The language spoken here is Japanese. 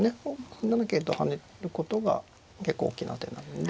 ３七桂と跳ねることが結構大きな手になるんで。